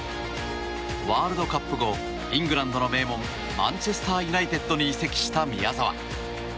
ワールドカップ後イングランドの名門マンチェスター・ユナイテッドに移籍した宮澤。